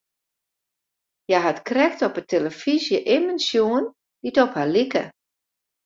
Hja hat krekt op 'e telefyzje immen sjoen dy't op har like.